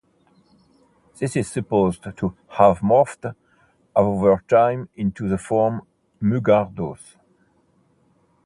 This is supposed to have morphed over time into the form "Mugardos".